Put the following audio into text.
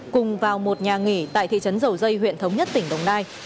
cùng vào một nhà nghỉ tại thị trấn dầu dây huyện thống nhất tỉnh đồng nai